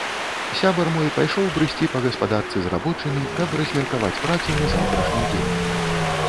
Сябар мой пайшоў брысці па гаспадарцы з рабочымі, каб размеркаваць працу на заўтрашні дзень.